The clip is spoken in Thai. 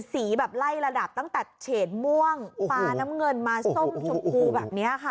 สีแบบไล่ระดับตั้งแต่เฉดม่วงปลาน้ำเงินมาส้มชมพูแบบนี้ค่ะ